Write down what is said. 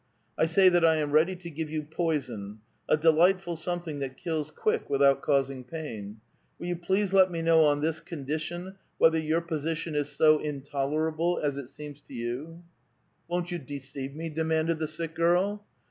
I say that I am ready to give you poison — a delightful something that kills quick, without causing pain. Will you please let me know on this condition whether your position is so intolerable as it seems to you?" " Won't you deceive me? " demanded the sick girl.